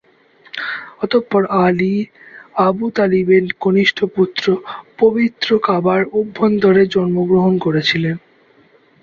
অতঃপর Ali, Abu তালিবের কনিষ্ঠ পুত্র পবিত্র কাবার অভ্যন্তরে জন্মগ্রহণ করেছিলেন।